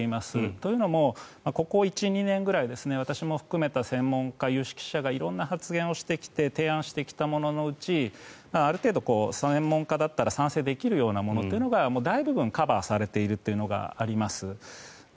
というのもここ１、２年ぐらい私も含めた専門家、有識者が色んな発言をして提案してきたもののうちある程度、専門家だったら賛成できるようなものというのが大部分カバーされているというのがあります。